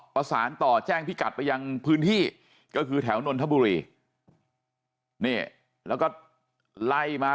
ประสานต่อแจ้งพิกัดไปยังพื้นที่ก็คือแถวนนทบุรีนี่แล้วก็ไล่มา